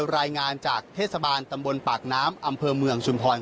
รายงานจากเทศบาลตำบลปากน้ำอำเภอเมืองชุมพร